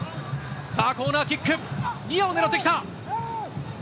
コーナーキック、ニアを狙ってきた。